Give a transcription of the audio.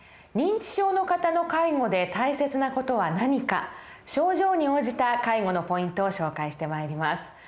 認知症の方の介護で大切な事は何か症状に応じた介護のポイントを紹介してまいります。